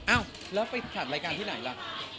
อ้าวไปถัดรายการที่ไหนละ